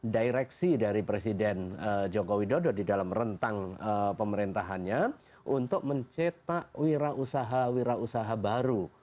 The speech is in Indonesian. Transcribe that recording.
direksi dari presiden joko widodo di dalam rentang pemerintahannya untuk mencetak wirausaha wirausaha baru